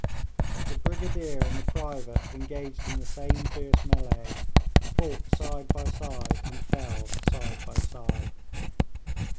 The brigadier and the private engaged in the same fierce mêlée, fought side by side, and fell side by side.